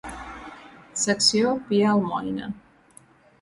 Secció Pia Almoina.